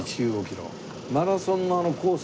マラソンのコース